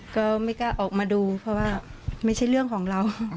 ก็ไม่กล้าออกมาดูเพราะว่าไม่ใช่เรื่องของเรา